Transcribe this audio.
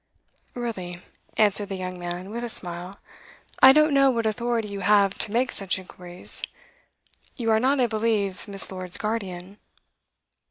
'Really,' answered the young man with a smile, 'I don't know what authority you have to make such inquiries. You are not, I believe, Miss. Lord's guardian.